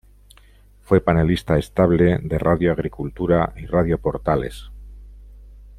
Fue panelista estable de Radio Agricultura y Radio Portales.